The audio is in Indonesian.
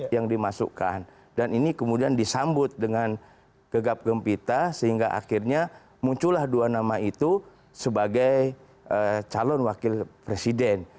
yang dimasukkan dan ini kemudian disambut dengan gegap gempita sehingga akhirnya muncullah dua nama itu sebagai calon wakil presiden